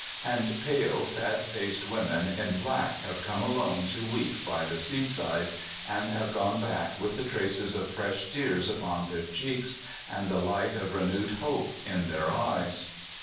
And pale, sad faced women in black have come alone to weep by the seaside, and have gone back with the traces of fresh tears upon their cheeks and the light of renewed hope in tlieir eyes.